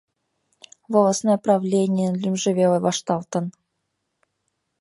Волостной правленийын лӱмжӧ веле вашталтын.